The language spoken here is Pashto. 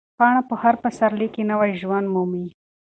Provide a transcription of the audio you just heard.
پاڼه په هر پسرلي کې نوی ژوند مومي.